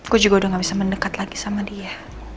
gue juga udah gak bisa mendekat lagi sama dia